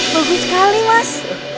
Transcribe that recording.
bagus sekali mas